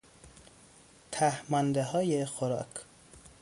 ته ماندههای خوراک